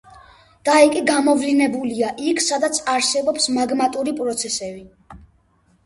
დაიკი გამოვლინებულია იქ, სადაც არსებობს მაგმატური პროცესები.